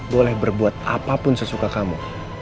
boleh berbuat apapun sesuka kamu